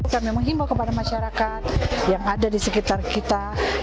kami menghimbau kepada masyarakat yang ada di sekitar kita